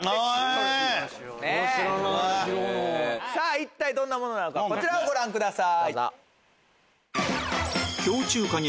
一体どんなものなのかこちらをご覧ください。